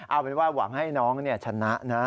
เอาเป็นว่าหวังให้น้องชนะนะ